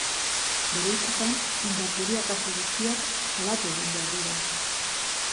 Bere hitzetan, indarkeria kasu guztiak salatu egin behar dira.